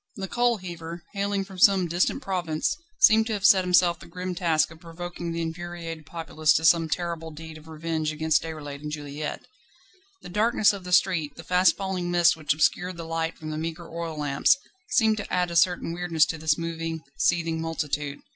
The coal heaver, hailing from some distant province, seemed to have set himself the grim task of provoking the infuriated populace to some terrible deed of revenge against Déroulède and Juliette. The darkness of the street, the fast falling mist which obscured the light from the meagre oil lamps, seemed to add a certain weirdness to this moving, seething multitude.